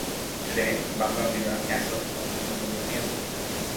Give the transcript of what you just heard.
Today, Baba Vida castle functions as a museum.